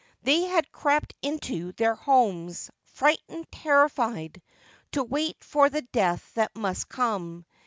They had crept into their homes, frightened, terrified — to wait for the death that must come.